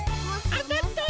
あたった！